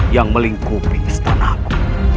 yang melingkupi istanaku